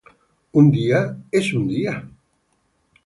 Un día es un día